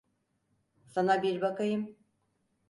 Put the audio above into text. Sana bir bakayım.